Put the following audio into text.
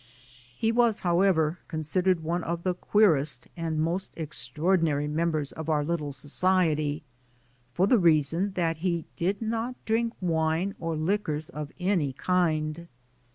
He was, however, considered one of the queerest and most extraordinary members of our little so ciety, for the reason that he did not drink wine or liquors of any kind.